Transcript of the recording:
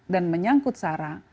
dan menyangkut searah